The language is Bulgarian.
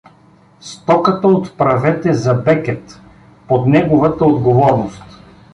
Стоката отправете за Бекет под неговата отговорност.